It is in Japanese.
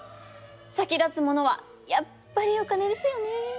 先立つものはやっぱりお金ですよね。